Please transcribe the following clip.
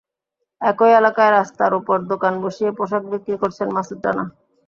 একই এলাকায় রাস্তার ওপর দোকান বসিয়ে পোশাক বিক্রি করছেন মাসুদ রানা।